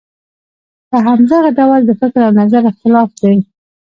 په همدغه ډول د فکر او نظر اختلاف دی.